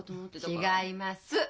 違います。